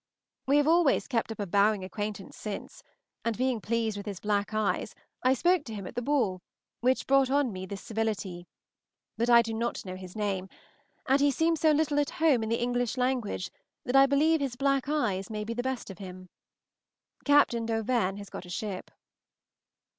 We have always kept up a bowing acquaintance since, and, being pleased with his black eyes, I spoke to him at the ball, which brought on me this civility; but I do not know his name, and he seems so little at home in the English language that I believe his black eyes may be the best of him. Captain D'Auvergne has got a ship.